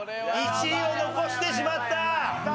１位を残してしまった！